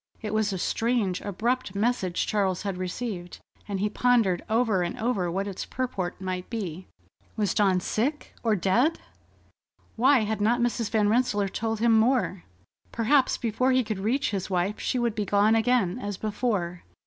It was a strange, abrupt message Charles had received, and he pondered over and over what its purport might be. Was Dawn sick, or dead? Why had not Mrs. Van Rensselaer told him more? Perhaps before he could reach his wife she would be gone again, as before.